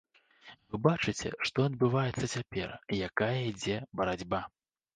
Вы бачыце, што адбываецца цяпер, якая ідзе барацьба.